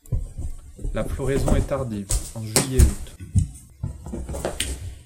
La floraison est tardive, en juillet-août.